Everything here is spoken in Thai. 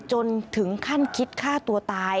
จนถึงขั้นคิดฆ่าตัวตาย